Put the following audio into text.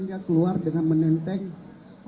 masih dikembangkan ya masih dikembangkan